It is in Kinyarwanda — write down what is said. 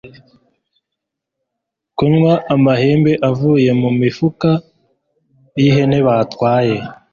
kunywa amahembe avuye mu mifuka y'ihene batwaye